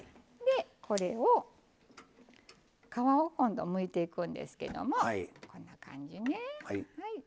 これを皮を今度はむいていくんですけどもこんな感じね。